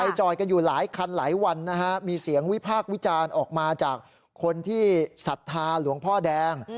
จอยกันอยู่หลายคันหลายวันนะฮะมีเสียงวิพากษ์วิจารณ์ออกมาจากคนที่ศรัทธาหลวงพ่อแดง